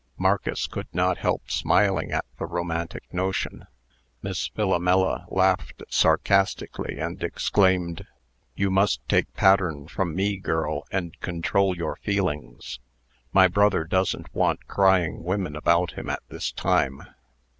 Marcus could not help smiling at the romantic notion. Miss Philomela laughed sarcastically, and exclaimed: "You must take pattern from me, girl, and control your feelings. My brother doesn't want crying women about him at this time."